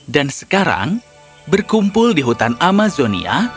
dan sekarang berkumpul di hutan amazonia